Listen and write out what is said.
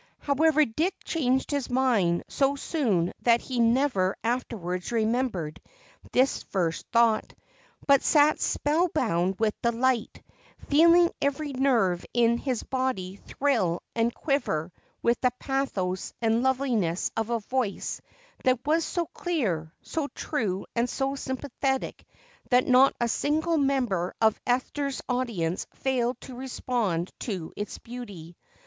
However, Dick changed his mind so soon that he never afterwards remembered this first thought, but sat spellbound with delight, feeling every nerve in his body thrill and quiver with the pathos and loveliness of a voice that was so clear, so true and so sympathetic that not a single member of Esther's audience failed to respond to its beauty.